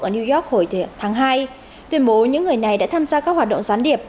ở new york hồi tháng hai tuyên bố những người này đã tham gia các hoạt động gián điệp